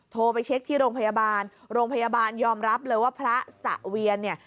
โทรไปเช็คที่โรงพยาบาลโรงพยาบาลยอมรับเลยว่าพระสะเวียนเนี่ย